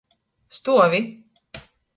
Stuovi!